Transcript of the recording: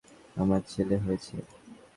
আমার ছেলে হয়েছে!